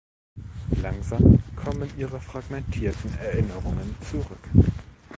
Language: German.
Langsam kommen ihre fragmentierten Erinnerungen zurück.